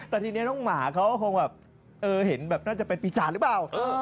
แต่ทีนี้น้องหมาเค้าคงเห็นแบบน่าจะเป็นภีษศาตร์รึเปล่า